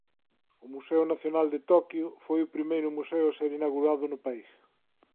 O Museo Nacional de Toquio foi o primeiro museo a ser inaugurado no país.